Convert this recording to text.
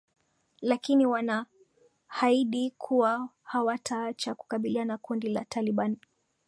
lakini wanahaidi kuwa hawataacha kukabiliana kundi la taliban